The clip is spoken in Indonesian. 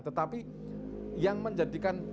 tetapi yang menjadikan